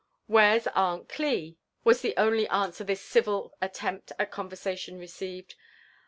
" Where's Aunt Cli?" was the only answer this civil attempt at conversation received.